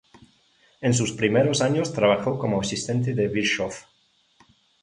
En sus primeros años trabajó como asistente de Virchow.